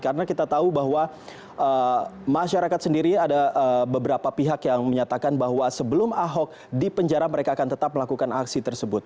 karena kita tahu bahwa masyarakat sendiri ada beberapa pihak yang menyatakan bahwa sebelum ahok dipenjara mereka akan tetap melakukan aksi tersebut